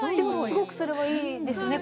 すごくそれはいいですね